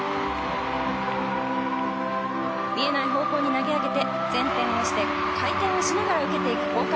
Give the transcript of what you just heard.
見えない方向に投げ上げて前転をして回転をしながら受けていく交換。